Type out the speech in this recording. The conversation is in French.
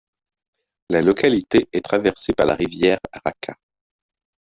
La localité est traversée par la rivière Rača.